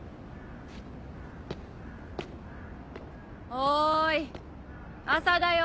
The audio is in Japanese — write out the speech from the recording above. おーい朝だよ。